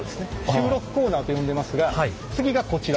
収録コーナーと呼んでますが次がこちら。